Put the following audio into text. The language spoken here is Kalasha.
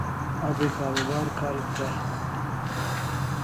Abi karubar karik day